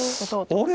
あれ？